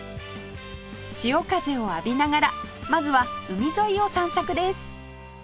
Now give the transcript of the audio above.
潮風を浴びながらまずは海沿いを散策です